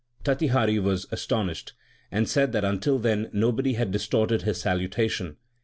Tatihari was astonished, and said that until then nobody had distorted his salutation.